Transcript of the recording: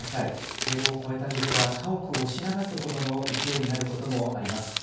堤防をこえた水は家屋を押し流すほどの勢いになることもあります。